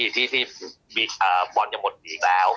ที่บอลจะหมดปีกแล้ว